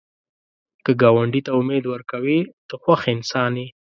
که ګاونډي ته امید ورکوې، ته خوښ انسان یې